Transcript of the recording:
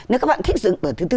nếu các bạn thích dựng vở thứ bốn